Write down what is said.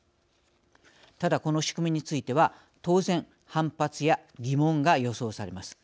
ただ、この仕組みについては当然、反発や疑問が予想されます。